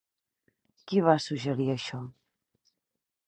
Qui va suggerir això?